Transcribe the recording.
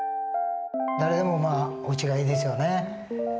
誰でもおうちがいいですよね。